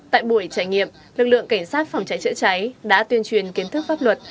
tại buổi trải nghiệm lực lượng cảnh sát phòng cháy chữa cháy đã tuyên truyền kiến thức pháp luật